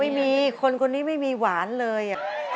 ไม่มีคนคนนี้ไม่มีหวานเลย